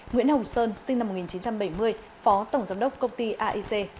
nguyễn hồng sơn sinh năm một nghìn chín trăm bảy mươi phó tổng giám đốc công ty aic